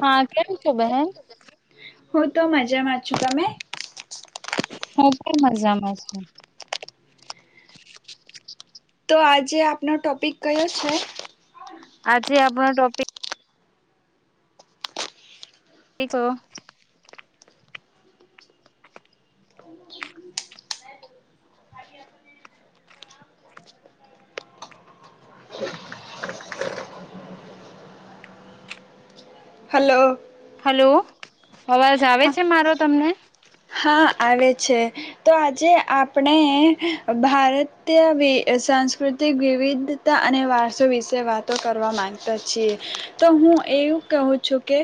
હા કેમ છો બહેન હું તો મજામાં છું તમે હ પણ મજામાં છે. તો આજે આપનો ટોપિક કયો છે આજે આપણ ટોપિક શખ હલો હલો અવાજ આવે હા છે મારો તમને આવે છે તો આજે આપણે ભારતીય સાંસ્કૃતિક વિવિધતા અને વારસો વિશે વાતો કરવા માંગતા છીએ તો હું એવું કહું છું કે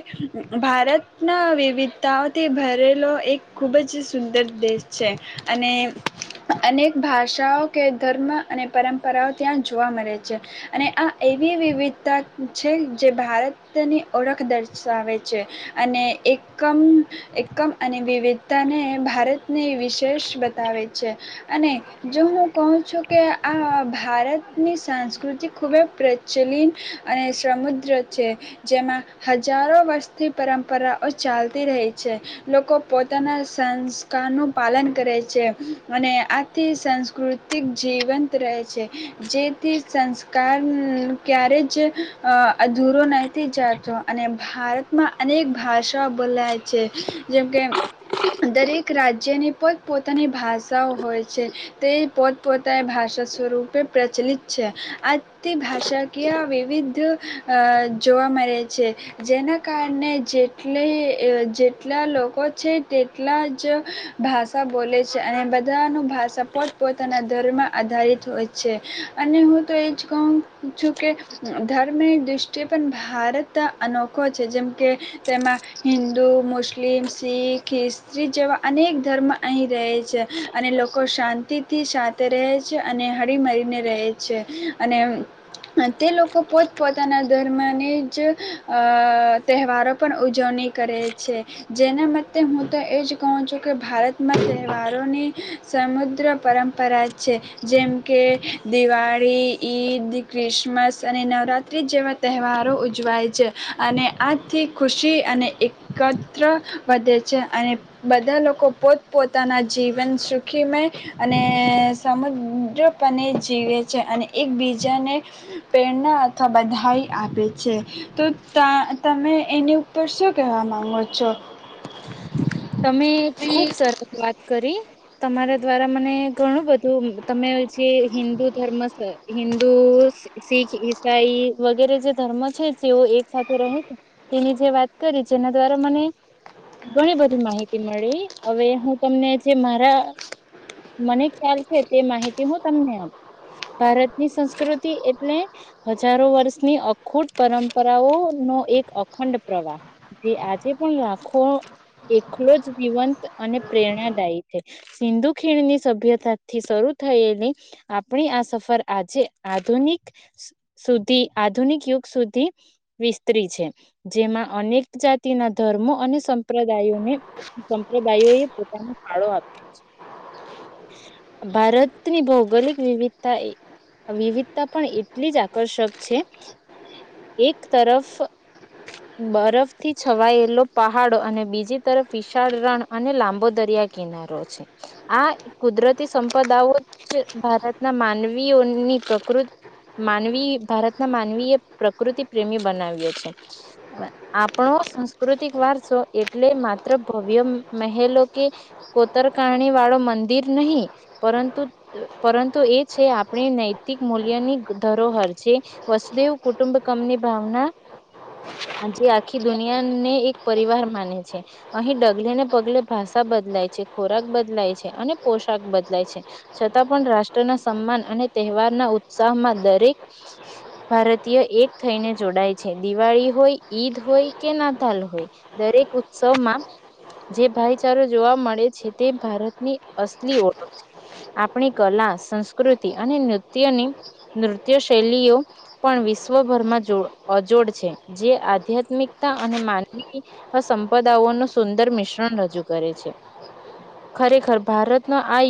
ભારતના વિવિધતાઓથી ભરેલો એક ખૂબ જ સુંદર દેશ છે અને અનેક ભાષાઓ કે ધર્મ અને પરંપરાઓ ત્યાં જોવા મળે છે અને આ એવી વિવિધતા છે જે ભારતની ઓળખ દર્શાવે છે અને એકમ એકમ અને વિવિધ તને ભારતને વિશેષ બતાવે છે અને જો હું કહું છું કે આ ભારતની સંસ્કૃતિ ખૂબ જ પ્રચલન અને સમુદ્ર છે જેમાં હજારો વર્ષથી પરંપરાઓ ચાલતી રહેહી છે લોકો પોતે પોતાના સંસ્કારનું પાલન કરે છે અને આથી સાંસ્કૃતિક જીવંત રહે છે જેથી સંસ્કાર ક્યારે જ અધૂરો નથીહ જાતો અને ભારતમાં અનેક ભાષાઓ બોલાય છે જેમકે દરેક રાજ્યની પોતપોતાની ભાષાઓ હોય છે તે પોતપોતાની ભાષા સ્વરૂપે પ્રચલિત છે આથી ભાષાકીય વિવિધ જોવા મળે છે જેના કારણે જેટલી જેટલા લોકો છે તેટલા જ ભાષા બોલે છે, અને બધાનું ભાષા પોતપોતાના ધર્મ આધારિત હોય છે, અને હું તો એ જ કહું છું કે ધર્મની દૃષ્ટિએ પણ ભારત અનોખો છે, જેમકે તેમાં હિન્ંદુ મુસ્લિમ શીખ ખી સ્ત્રી જેવા અનેક ધર્મ અહીં રહે છે, અને લોકો શાંતિથી સાથે રહે છે, અને હળીમરીને રહે છે, અને તે લોકો પોતપોતાના ધર્મની જ તહેવારો પણ ઉજવણી કરે છે, જેના તે હું તો એ જ કહું છું કે ભારતમાં તહેવારોની સમુદ્ર પરંપરા છે જેમ કે દિવાળી ઈદ ક્રિસમસ અને નવરાત્રિ જેવા તહેવારો ઉજવાય છે, અને આજથી ખુશી અને એકત્ર વધે છે, અને બધા લોકો પોતપોતાના જીવન સુખીમય અને સમુદ્રપણે જીવે છે, અને એકબીજાને પ્રેરણા અથવા બધાાઈ આપે છે છે તો તા તમે એની ઉપર શું કહેવા માંગો છો [inaudible] તમે ખુબ સરસ વાત કરી તમારા દ્વારા મને ઘણું બધું તમે જે હિન્દુ ધર્મ હિન્દુ શીખ ઈસાઈ વગેરે જે ધર્મ છે તેઓ એક સાથે રહી તેની જે વાત કરી જેના દ્વારા મને ઘણી બધી માહિતી મળી હવે હું તમને જે મારા મને ખ્યાલ છે તે માહિતી હું તમને આપું ભારતની સંસ્કૃતિ એટલે હજારો વર્ષની અખૂટ પરંપરાઓનોો એક અખંડ પ્રવાહ જે આજે પણ રાખો એકલો જ જીવંત અને પ્રેરણાદાયી છે સિંધુ ખીણની સભ્યતા થી શરૂ થયેલી આપણી આ સફર આજે આધુનિક સુધી આધુનિક યુગ સુધી વિસ્તરી છે જેમાં અનેક જાતિના ધર્મો અને સંપ્રદાય સંપ્રદાય એ પોતાનો ફાળો આપ્યો ભારતની ભૌગોલિક વિવિધતા વિવિધતા પણ એટલી જ આકર્ષક છે એક તરફ બરફથી છવાયેલો પહાડો અને બીજ બીજી તરફ વિશાળ રણ અને લાંબો દરિયા કિનારો છે આ કુદરતી સંપદાઓ જ ભારતના માનવીઓની પ્રકૃતિ માનવી ભારતના માનવી એ પ્રકૃતિ પ્રેમી બનાવ્યો છે આપણો સંસ્કૃતિક વારસો એટલે માત્ર ભવ્ય મહેલો કે કોતરકારણી વાળો મંદિર નહીિ પરંતુ પરંતુ એ છે આપણી નૈતિક મૂલ્યની ધરોહર જે વસદેવ કુટુંબકમની ભાવના આ જેે આખી દુનિયાને એક પરિવાર માને છે અહી ડગલેને પગલે ભાષા બદલાય છે ખોરાક બદલાય છે, અને પોશાક બદલાય છે, છતાં પણ રાષ્ટ્રના સન્માન અને તહેવારના ઉત્સાહમાં દરેક ભારતીય એક થઈને જોડાય છે, દિવાળી હોય ઈદ હોય કે નાતાલ હોય દરેક સમાં જે ભાઈચારો જોવા મળે છે, તે ભારતની અસલી ઓળખ છે, આપણી કલા સંસ્કૃતિ અને નૃત્યની નૃત્ય શૈલીઓ પણ વિશ્વભરમાં જો અજોડ છે, જે આધ્યાત્મિકતા અને માનવી દાઓ ન સુંદર મિશ્રણ રજૂ કરે છે, ખરેખર ભારતનો આ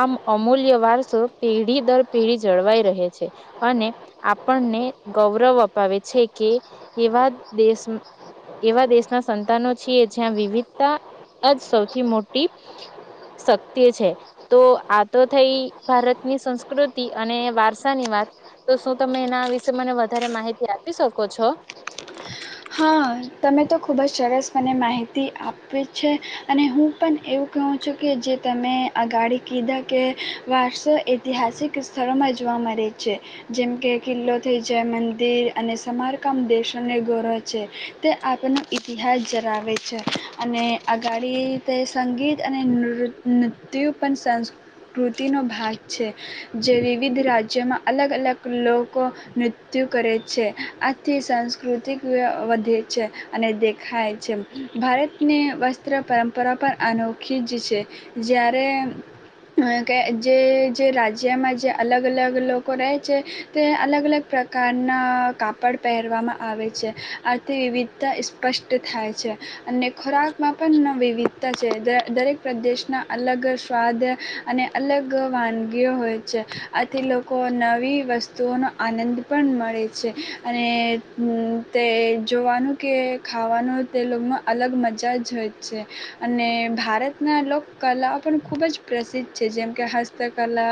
આ અમૂલ્ય વારસો પેઢી દર પેઢી જળવાઈ રહે છે, અને આપણને ગૌરવ અપાવે છે, કે એવા દેશ એવા દેશના તા ન છીએ જ્યાં વિવિધતા જ સૌથી મોટી શક્તિ છે, તો આ તો થઈ ભારતની સંસ્કૃતિ અને વારસાની વાત તો શું તમે એના વિશે મને વધારે માહિતી આપી શકો છો હા તમે તો ખૂબ જ સરસપણે માહિતી આપી છે, અને હું પણ એવું કહું છું કે જે તમે આગાડી કીધા કે વારસો ઐતિહાસિક સ્થળોમાં જોવા મળે છે, જેમ કે કિલ્લોથી જય મંદિર અને સમારકામ દેશોને ગૌરવ છે, તે આપનો ઇતિહાસ જરાવેે છે, અને અગાડી તે સંગીત અને નૃત્ય પણ સંસ્કૃતિનો ભાગ છે, જે વિવિધ રાજ્યોમાં અલગ અલગ લોકો નૃત્ય કરે છે, આથી સાંસ્કૃતિક વધે છે, અને દે ખાય છેમ ભારતની વસ્ત્ર પરંપરા પણ અનોખી જ છે, જ્યારે કે જે જે રાજ્યમાં જે અલગ અલગ લોકો રહે છે, તે અલગ અલગ પ્રકારનાં કાપડ પહેરવામાં આવે છે. આથી વિવિધતા સ્પષ્ટ થાય છે, અને ખોરાકમાં પણ વિવિધતા છે, દરેક પ્રદેશના અલગ સ્વાદ અને અલગ વાનગીઓ હોય છે, આથી લોકો નવી વસ્તુઓનો આનંદ પણ મળે છે, અને તે જોવાનું કે ખાવાનું તે લોકોમાં અલગ મજા જ હોય છે, અને ભારતના લોકકલાઓ પણ ખૂબ જ પ્રસિદ્ધ છે, જેમકે હસ્તકલા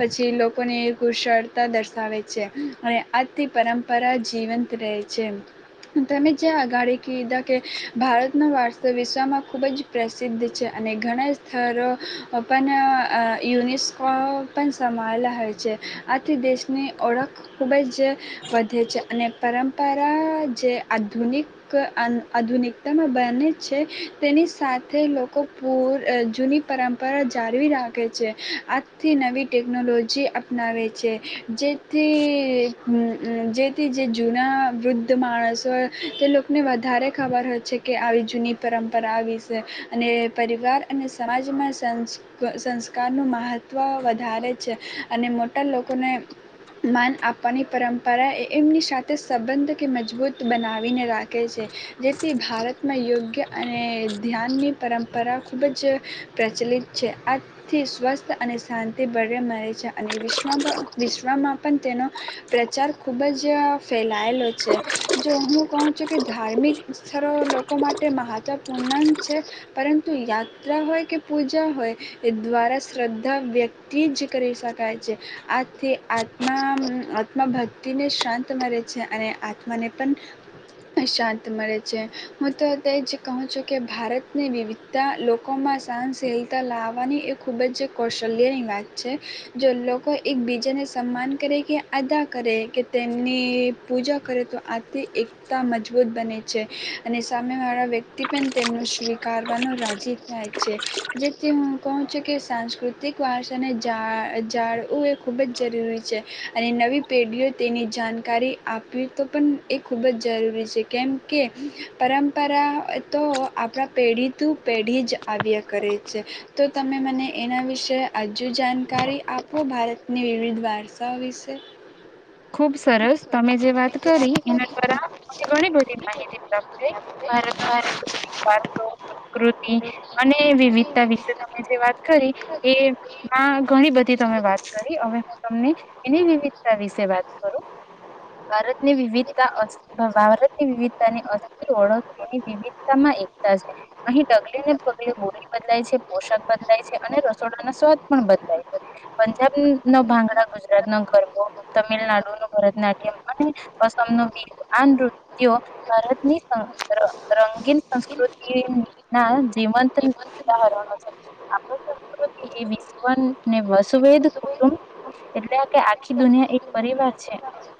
પછી લોકોની કુશળતા દર્શાવે છે, અને આજથી પરંપરા જીવંત રહે છે. તમે જે આગાળ કીધા કે ભારતનો વારસો વિશ્વમાં ખૂબ જ પ્રસિદ્ધ છે અને ઘણા સ્થરો પણ યુનેસ્કો પણ સમાયેલા હોય છે આથી દેશની ઓળખ ખૂબ જ વધે છે અને પરંપરા જે આધુનિક આધુનિકતામાં બને છે તેની સાથે લોકો પૂર જૂની પરંપરા જાળવી રાખે છે આજથી નવી ટેકનોલોજી અપનાવે છે જેથી જેથી જે જૂના વૃદ્ધ ધ માણસો તે લોકોને વધારે ખબર હોય છે કે આવી જૂની પરંપરા આવી છે અને પરિવાર અને સમાજમાં સંસ્કારનું મહત્ત્વ વધારે છે અને મોટા લોકોને માન આપવાની પરંપરા એ એમની સાથે સંબંધ કે મજબૂત બનાવીને રાખ કે છે જે તે ભારતમાં યોગ્ય અને ધ્યાનની પરંપરા ખૂબ જ પ્રચલિત છે આજથી સ્વસ્થ અને શાંતિ બળરે મળે છે અને વિશ્વમાં વિશ્વમાં પણ તેનો પ્રચાર ખૂબ જ જે ફેલાઈલો છે જો હું કહું છું કે ધાર્મિક સ્થળો લોકો માટે મહત્ત્વપૂર્ણ છે પરંતુ યાત્રા હોય કે પૂજા હોય એ દ્વારા શ્રદ્ધા વ્યક્તિ જ કરી શકાય છે આથી આત્મા આત્માભક્તિને શાંત મળે છે અને આત્માને પણ શાંત મળે છે હું તો તે જ કહું છું કે ભારતની વિવિધતા લોકોમાં સહનશીલતા લાવવાની એ ખૂબ જ કૌશલ્યની વાત છે જો લોકો એકબીજાને સન્માન કરે કે અદા કરે કે તેમની પૂજા કરે તો આથી એકતા મજબૂત બને છે અને સામે વાળા વ્યક્તિ પણ તેમનું શ કારવાનું રાજી ના છે જેથી હું કહું છું કે સાંસ્કૃતિક વારસાને જા જાળવું એ ખૂબ જ જરૂરી છે અને નવી પેઢીઓ તેની જાણકારી આપવી તો પણ એ ખૂબ જ જરૂરી છે કેમ કે પરંપરા તો આપણા પેઢી ત પેઢી જ આવ્યા કરે તો તમે મને એના વિશે તે હજુ જાણકારી આપો ભારતની વિવિધ વારસાઓ વિશે ખુબ સરસ તમે જે વાત કરી એના દ્વારા ઘ બધી માહિતી પ્રાપ્ત થઈ ભારત વા પ્રકૃતિ અને વિવિધતા વિશે તમે જે વાત કરી એમાં ઘણી બધી તમે વાત કરી હવે હું તમને એની વિવિધતા વિશે વાત કરું ભારત ની વિવિધતા ભારતની વિવિધતા ની અસ્ ઓળખની વિવિધતામાં એકતા છે અહી ડગલે ને પગલે બોલી બદલાય છે પોશક બદલાય છે અને રસોડા ના સ્વાદ પણ બદલાય છે પંજાબ ન ભાંગડા ગુજરાત ન ગરબો તમિલનાડુ નું ભરતનાટ્યમ અને અસમ ન બિહુ આ નૃત્યો ભારતની રંગીન સંસ્કૃતિ ના જીવંત ઉદાહરો છે આપ સંસ્કૃતિ એ વિશવને વસવેદ કુટુંબ એટલે કે આી દુનિયા એક પરિવાર છે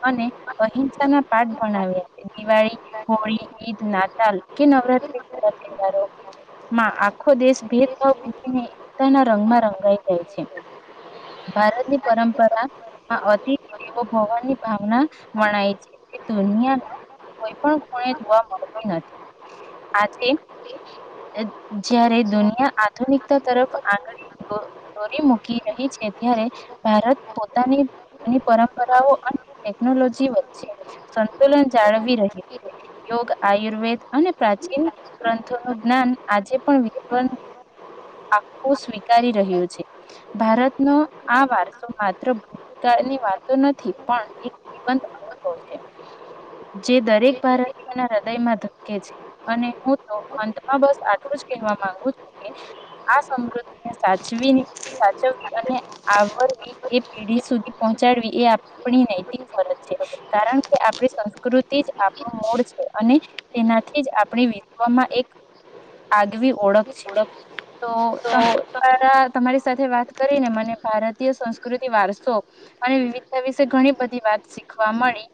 અને અહિંસા ના પાઠ ભણાવ્યા છે દિવાળી હોળી ઈદ નાતાલ કે નવરાત્રી ના તહેવારોમાં આખો દેશ ભેદભાવ ભૂને એકતાના રંગમાં રંગાઈ જાય છે ભારતની પરંપરા ભવાની ભાવના વણાય છે તે દુનિયાના કોઈ પણ ગુણે જોવા મળતી નથી આજ જ્યારે દુનિયા આધુનિકતા તરફ આંગળી દોરી મૂકી રહી છે ત્યારે ભારત પોતાની ની પરંપરાઓ અને ટેકનોલોજી વચ્ચે સંતુલન જાળવી રહ છે યોગ આયુર્વેદ અને પ્રાચીન ગ્રંથોનુંું જ્ઞાન આજે પણ વિશવ આખું સ્વીકારી રહ્યું છે ભારતનો આ વારસો માત્ર ભૂતકાળની વાતો નથી પણ એકંત અનુભવ છે જે દરેક ભારતીયના હૃદયમાં ધકે છે અને હું તો અંતમાં બસ આટલું જ કહેવા માંગુ છું કે આ સમૃદ્ધિને સાચવી સાચવવી અને આવરવી એ પેઢી સુધી પહોંચાડવી એ આપણી નૈતિક ફરજ છે કારણ કે આપણી સંસ્કૃતિ જ આપણું મૂળ છે અને તેનાથી જ આપણી વિશ્વમાં એક આગવી ઓળખ છે તો તમા ત મારી સાથે વાત કરીને મને ભારતીય સંસ્કૃતિ વારસો અને વિવિધતા વિશે ઘણી બધી વાત શીખવા મળી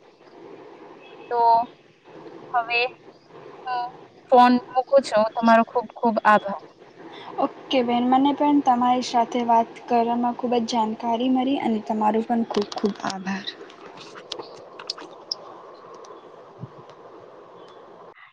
તો હવે હું ફોન મૂકું છું તમારો ખુબ ખુબ આભાર ઓકે બેન મને પણ તમારી સાથે વાત કરવામાં ખૂબ જ જાણકારી મળી અને તમારું પણ ખૂબ ખૂબ આભાર [inaudible]